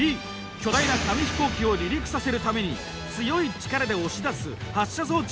巨大な紙飛行機を離陸させるために強い力で押し出す発射装置を作り上げました。